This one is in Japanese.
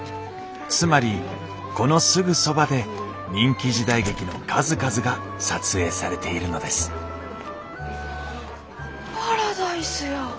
つまりこのすぐそばで人気時代劇の数々が撮影されているのですパラダイスや。